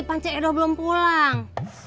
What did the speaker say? pancik edo belum pulang